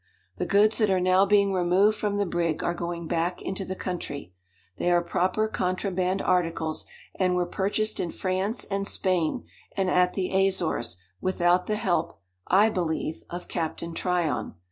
The goods that are now being removed from the brig are going back into the country. They are proper contraband articles, and were purchased in France and Spain and at the Azores, without the help, I believe, of Captain Tryon.